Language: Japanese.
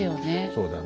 そうだね。